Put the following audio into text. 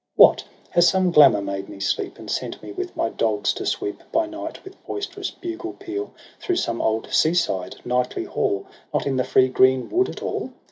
— What, has some glamour made me sleep, And sent me with my dogs to sweep. By night, with boisterous bugle peal. Through some old, sea side, knightly hall, Not in the free green wood at all?